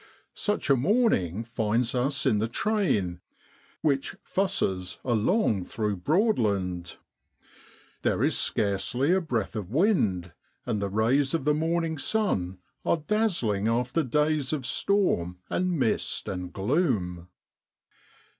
Such a morning finds us in the train which 6 fusses ' along through Broadland. There is scarcely a breath of wind, and the rays of the morning sun are dazzling after days of storm and mist and gloom.